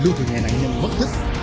luôn vì nhà nạn nhân mất thích